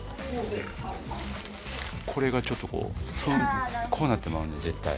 これがちょっとこうなってまうねん絶対。